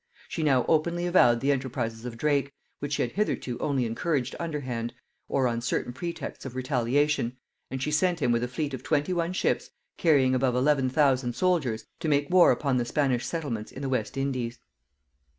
She now openly avowed the enterprises of Drake, which she had hitherto only encouraged underhand, or on certain pretexts of retaliation; and she sent him with a fleet of twenty one ships, carrying above eleven thousand soldiers, to make war upon the Spanish settlements in the West Indies.